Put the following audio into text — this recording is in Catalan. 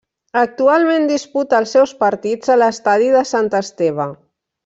Actualment disputa els seus partits a l'Estadi de Sant Esteve.